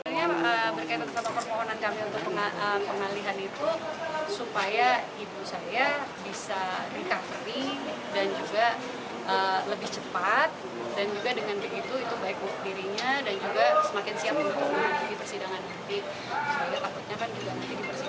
berkaitan dengan permohonan kami untuk pengalihan itu supaya ibu saya bisa recovery dan juga lebih cepat